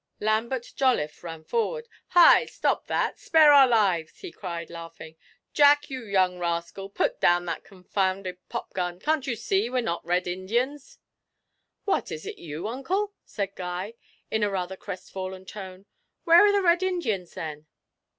Lambert Jolliffe ran forward: 'Hi, stop that! spare our lives!' he cried, laughing. 'Jack, you young rascal, put down that confounded popgun can't you see we're not Red Indians?' 'What, is it you, uncle?' said Guy, in a rather crestfallen tone. 'Where are the Red Indians then?'